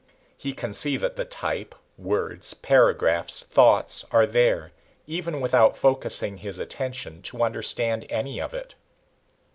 He can see that the type, words, paragraphs, thoughts are there, even without focusing his attention to understand any of it.